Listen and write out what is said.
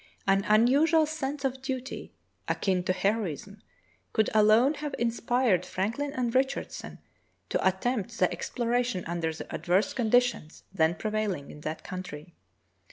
An unusual sense of duty, akin to heroism, could alone have inspired Franklin and Rich ardson to attempt the exploration under the adverse conditions then prevailing in that country.